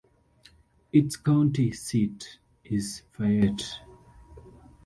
Its county seat is Fayette.